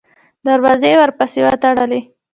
دروازې یې ورپسې وتړلې.